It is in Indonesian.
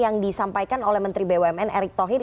yang disampaikan oleh menteri bumn erick thohir